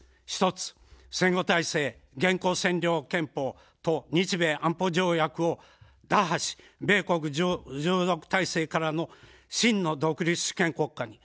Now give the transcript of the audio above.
１つ、戦後体制、現行占領憲法と日米安保条約を打破し、米国従属体制から真の独立主権国家に。